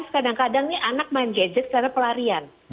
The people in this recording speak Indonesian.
kadang kadang ini anak main gadget karena pelarian